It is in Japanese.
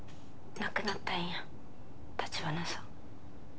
亡くなったんや橘さん